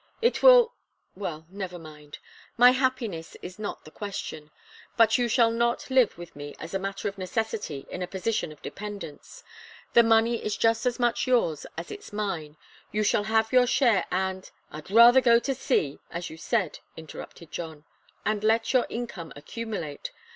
It will well, never mind my happiness is not the question! But you shall not live with me as a matter of necessity in a position of dependence. The money is just as much yours as it's mine. You shall have your share, and " "I'd rather go to sea as you said," interrupted John. "And let your income accumulate.